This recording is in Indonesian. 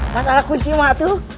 masalah kunci mah itu